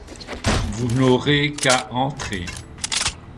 Vous n'aurez qu'à entrer.